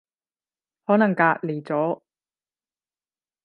可能隔離咗